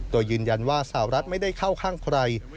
โดยยืนยันว่าสาวรัฐไม่ได้เข้าข้างใคร